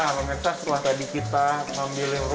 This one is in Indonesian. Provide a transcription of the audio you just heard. nah pemirsa setelah tadi kita ambil rumput